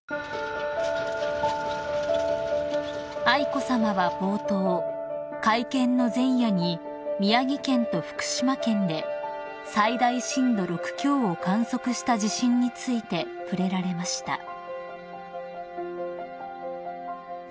［愛子さまは冒頭会見の前夜に宮城県と福島県で最大震度６強を観測した地震について触れられました］